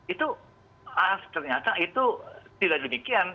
itu ternyata itu tidak demikian